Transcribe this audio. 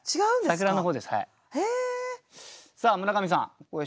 桜の方ですはい。